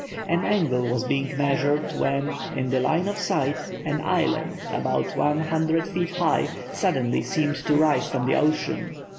An angle was being measured, when, in the line of sight, an island, about one hundred feet high, suddenly seemed to rise from the ocean.